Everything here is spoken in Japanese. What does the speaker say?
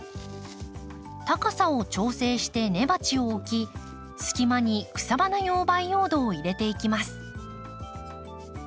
高さを調整して根鉢を置き隙間に草花用培養土を入れていきます。